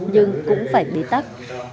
nhưng cũng phải bí tắc